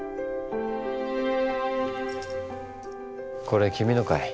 これ君のかい？